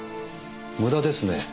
無駄ですね。